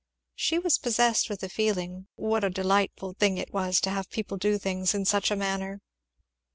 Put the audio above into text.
She was possessed with the feeling, what a delightful thing it was to have people do things in such a manner.